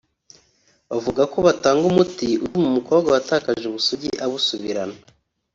bavuga ko batanga umuti utuma umukobwa watakaje ubusugi abusubirana